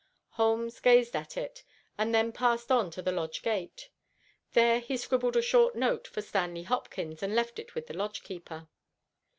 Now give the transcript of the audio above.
Holmes gazed at it and then passed on to the lodge gate. There he scribbled a short note for Stanley Hopkins and left it with the lodge keeper.